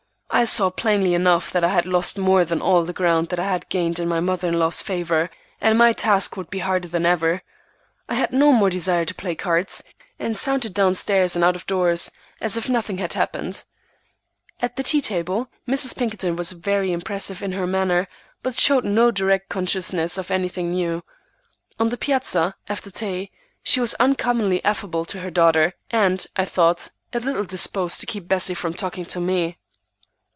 I saw plainly enough that I had lost more than all the ground that I had gained in my mother in law's favor, and my task would be harder than ever. I had no more desire to play cards, and sauntered down stairs and out of doors as if nothing had happened. At the tea table Mrs. Pinkerton was very impressive in her manner, but showed no direct consciousness of anything new. On the piazza, after tea, she was uncommonly affable to her daughter, and, I thought, a little disposed to keep Bessie from talking to me.